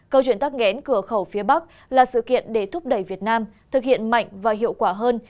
câu chuyện tắc nghẽn cửa khẩu phía bắc là sự kiện để thúc đẩy việt nam thực hiện mạnh và hiệu quả hơn